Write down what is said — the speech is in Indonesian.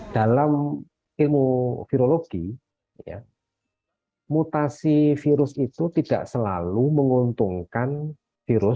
dalam ilmu virologi mutasi virus itu tidak selalu menguntungkan virus